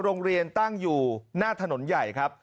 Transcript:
โรงเรียนตั้งอยู่หน้าถนนใหญ่ครับ